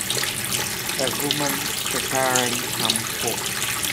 A woman preparing some pork.